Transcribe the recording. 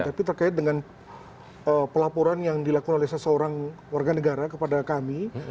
tapi terkait dengan pelaporan yang dilakukan oleh seseorang warga negara kepada kami